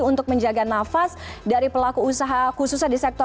untuk menjaga nafas dari pelaku usaha khususnya di sektor